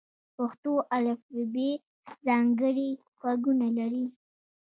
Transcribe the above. پښتو الفبې ځانګړي غږونه لري.